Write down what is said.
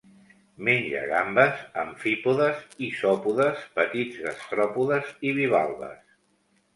Menja gambes, amfípodes, isòpodes, petits gastròpodes i bivalves.